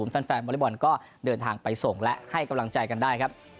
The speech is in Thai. แฟนวอเล็กบอลก็เดินทางไปส่งและให้กำลังใจกันได้ครับ